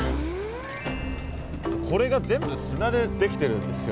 これが全部砂でできてるんですよ。